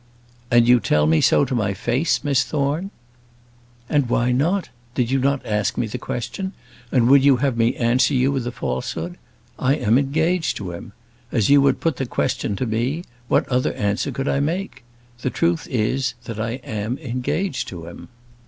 "And you tell me so to my face, Miss Thorne?" "And why not? Did you not ask me the question; and would you have me answer you with a falsehood? I am engaged to him. As you would put the question to me, what other answer could I make? The truth is, that I am engaged to him."